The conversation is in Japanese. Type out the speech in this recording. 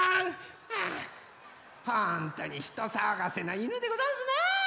ハほんとにひとさわがせないぬでござんすね。